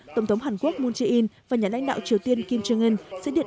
tổng thống hàn quốc moon jae in và nhà lãnh đạo triều tiên kim jong un sẽ điện